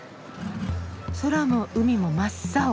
空も海も真っ青。